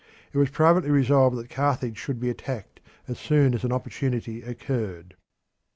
It was privately resolved that Carthage should be attacked as soon as an opportunity occurred.